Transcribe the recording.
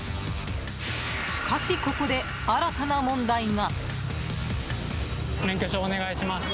しかし、ここで新たな問題が。